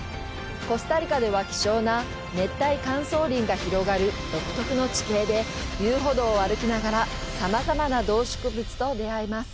コスタリカでは希少な熱帯乾燥林が広がる独特の地形で遊歩道を歩きながらさまざまな動植物と出会えます。